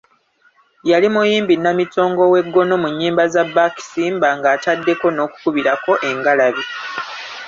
Yali muyimbi namitongo ow'eggono mu nnyimba za Baakisimba ng'ataddeko n'okukubirako engalabi.